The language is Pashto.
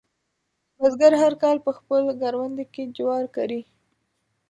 بزګر هر کال په خپل کروندې کې جوار کري.